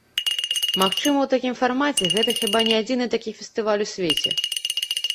Магчыма ў такім фармаце гэта хіба не адзіны такі фестываль у свеце.